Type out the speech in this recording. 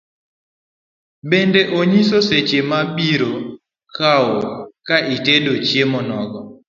Bende onyiso seche maibiro kawo ka itedo chiemo nogo